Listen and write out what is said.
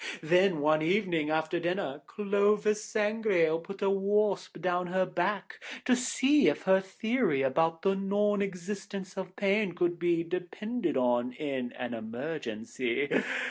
Then one evening, after dinner, Clovis Sangrail put a wasp down her back, to see if her theory about the non existence of pain could be depended on in an emergency.